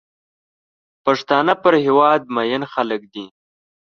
پښتانه پر هېواد مین خلک دي.